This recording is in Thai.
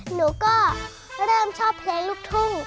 หนูก็เริ่มชอบเพลงลูกทุ่ง